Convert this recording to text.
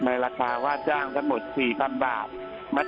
มาเจอกันเท่าไหร่นั่งข้างหนึ่งแล้วราชาติตอนหลังเขามาเล่าให้ฝันเห็นผีทั้งคืน